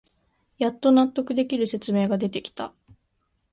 やっと納得できる説明が出てきた